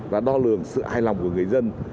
và đo lường sự hài lòng của người dân